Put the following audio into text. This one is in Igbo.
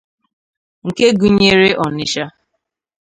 nke gụnyere Onitsha